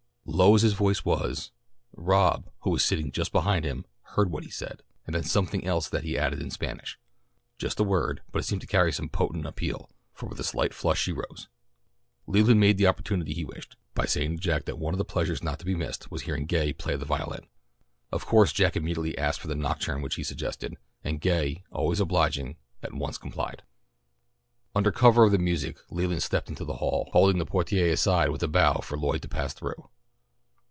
Low as his voice was, Rob, who was sitting just behind him, heard what he said, and then something else that he added in Spanish. Just a word, but it seemed to carry some potent appeal, for with a slight flush she rose. Leland made the opportunity he wished, by saying to Jack that one of the pleasures not to be missed was hearing Gay play the violin. Of course Jack immediately asked for the nocturne which he suggested, and Gay, always obliging, at once complied. Under cover of the music Leland stepped into the hall, holding the portière aside with a bow for Lloyd to pass through.